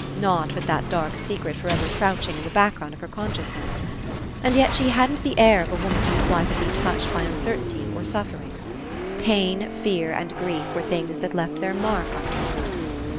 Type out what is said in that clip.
Not with that dark secret for ever crouching in the background of her consciousness. And yet she hadn't the air of a woman whose life had been touched by uncertainty or suffering. Pain, fear, and grief were things that left their mark on people.